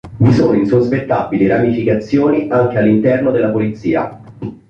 Vi sono insospettabili ramificazioni anche all'interno della Polizia.